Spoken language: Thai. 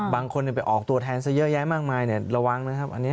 บางคนไปออกตัวแทนซะเยอะแยะมากมายระวังนะครับ